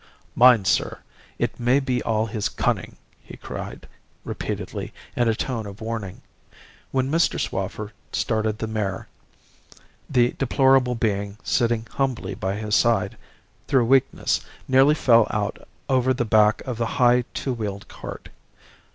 'Mind, sir! It may be all his cunning,' he cried repeatedly in a tone of warning. When Mr. Swaffer started the mare, the deplorable being sitting humbly by his side, through weakness, nearly fell out over the back of the high two wheeled cart.